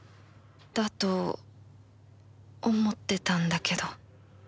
だと思ってたんだけど